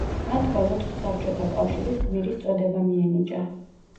მათგან ოთხს საბჭოთა კავშირის გმირის წოდება მიენიჭა.